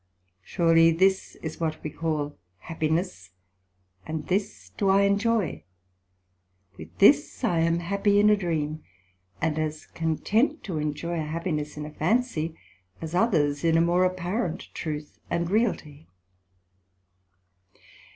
Surely this is it we call Happiness, and this do I enjoy; with this I am happy in a dream, and as content to enjoy a happiness in a fancy, as others in a more apparent truth and realty.